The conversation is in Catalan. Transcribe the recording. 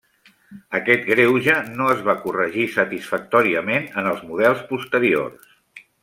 Aquest greuge no es va corregir satisfactòriament en els models posteriors.